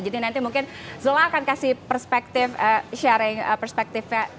jadi nanti mungkin zola akan kasih perspektif sharing perspektifnya